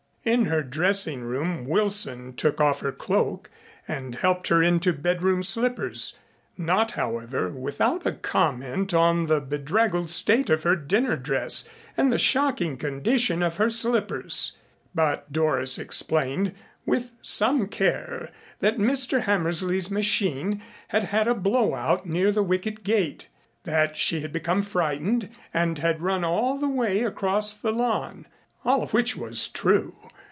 In her dressing room Wilson took off her cloak and helped her into bedroom slippers, not, however, without a comment on the bedraggled state of her dinner dress and the shocking condition of her slippers. But Doris explained with some care that Mr. Hammersley's machine had had a blow out near the wicket gate, that she had become frightened and had run all the way across the lawn. All of which was true.